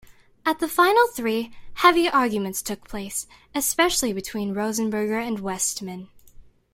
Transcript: At the Final Three, heavy arguments took place, especially between Rosenberger and Westman.